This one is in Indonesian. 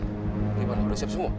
bagaimana udah siap semua